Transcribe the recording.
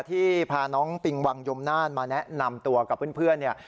ที่พาน้องปิงวังยมน่านมาแนะนำตัวกับเพื่อนเนี่ย